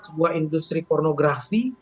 sebuah industri pornografi